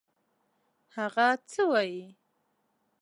هغه څه وايي.